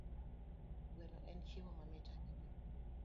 Gweno en chiemo mamit ahinya